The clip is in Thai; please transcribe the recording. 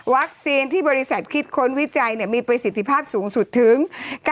ที่บริษัทคิดค้นวิจัยมีประสิทธิภาพสูงสุดถึง